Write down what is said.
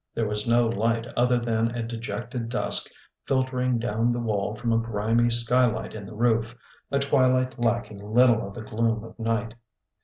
There was no light other than a dejected dusk filtering down the wall from a grimy sky light in the roof, a twilight lacking little of the gloom of night.